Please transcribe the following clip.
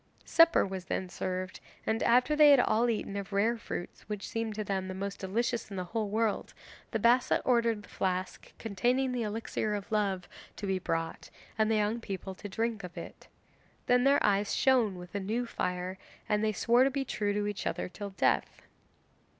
Supper was then served, and after they had all eaten of rare fruits which seemed to them the most delicious in the whole world, the Bassa ordered the flask containing the elixir of love to be brought and the young people to drink of it. Then their eyes shone with a new fire, and they swore to be true to each other till death.